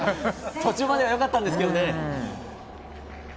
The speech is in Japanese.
途中まではよかったんですけどね。